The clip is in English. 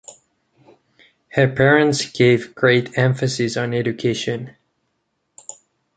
Her parents gave great emphasis on education.